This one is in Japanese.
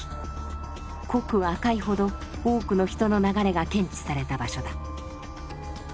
濃く赤いほど多くの人の流れが検知された場所だ。